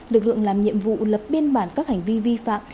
lực lượng làm nhiệm vụ lập biên bản các hành vi vi phạm